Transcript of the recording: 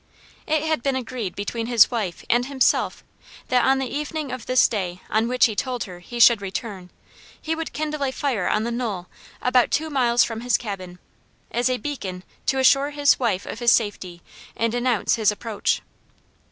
It had been agreed between his wife and himself that on the evening of this day on which he told her he should return, he would kindle a fire on a knoll about two miles from his cabin as a beacon to assure his wife of his safety and announce his approach.